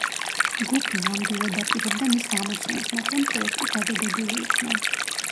ჯგუფი ნამდვილად აპირებდა მის გამოცემას, მაგრამ პროექტი გადადებული იქნა.